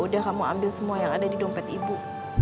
udah kamu ambil semua yang ada di dompet ibu